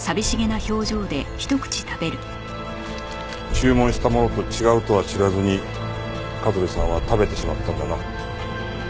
注文したものと違うとは知らずに香取さんは食べてしまったんだな。